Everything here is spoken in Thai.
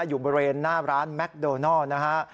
อยู่บริเวณหน้าร้านแมคโดนัลนะฮะ